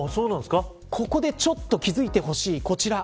ここでちょっと気づいてほしいこちら。